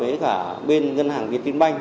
với cả bên ngân hàng việt tinh banh